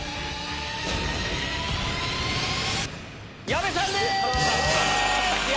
矢部さん３位です！